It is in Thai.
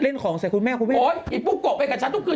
ของใส่คุณแม่คุณแม่โอ๊ยไอ้ปุ๊กโกะไปกับฉันทุกคืน